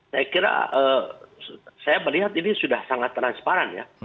saya kira saya melihat ini sudah sangat transparan ya